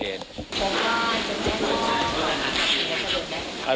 ผมว่าเจตนามีมันสรรพย์ไปไหน